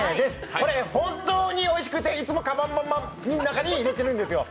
これ本当においしくて、いつもかばんの中に入れてるんですよ。